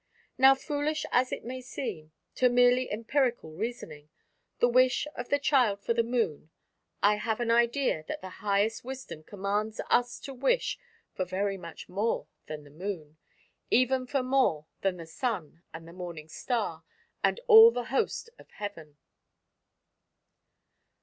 Now foolish as may seem, to merely empirical reasoning, the wish of the child for the Moon, I have an idea that the highest wisdom commands us to wish for very much more than the Moon, even for more than the Sun and the Morning Star and all the Host of Heaven.